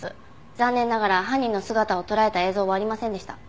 残念ながら犯人の姿を捉えた映像はありませんでした。